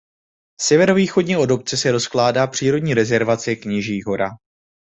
Severovýchodně od obce se rozkládá přírodní rezervace Kněží hora.